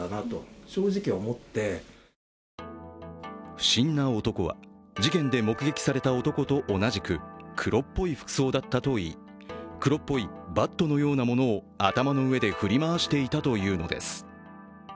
不審な男は事件で目撃された男と同じく黒っぽい服装だったといい、黒っぽいバットのようなものを頭の上で振り回していたというのです。